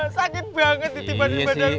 sakit banget ditibanin badanmu